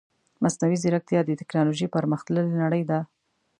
مصنوعي ځيرکتيا د تکنالوژي پرمختللې نړۍ ده .